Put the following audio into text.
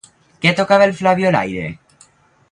Què tocava el Flabiolaire?